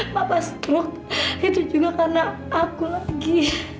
papa stroke itu juga karena aku lagi